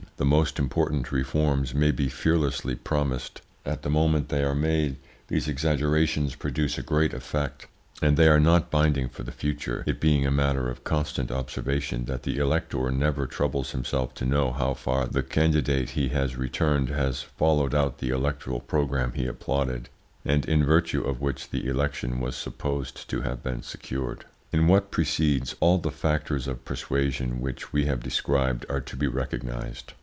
The most important reforms may be fearlessly promised. At the moment they are made these exaggerations produce a great effect, and they are not binding for the future, it being a matter of constant observation that the elector never troubles himself to know how far the candidate he has returned has followed out the electoral programme he applauded, and in virtue of which the election was supposed to have been secured. In what precedes, all the factors of persuasion which we have described are to be recognised.